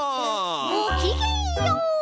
ごきげんよう！